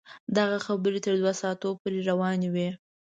دغه خبرې تر دوه ساعتونو پورې روانې وې.